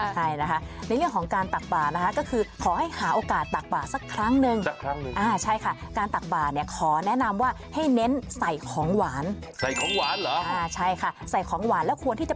คุณเราจะทานยังไงได้